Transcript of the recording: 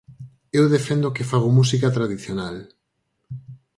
Eu defendo que fago música tradicional.